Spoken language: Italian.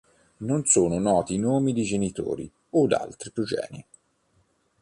Non sono noti nomi di genitori od altri progenie.